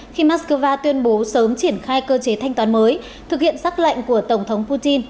khi moscow tuyên bố sớm triển khai cơ chế thanh toán mới thực hiện xác lệnh của tổng thống putin